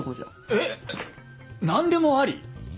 えっ！？何でもあり？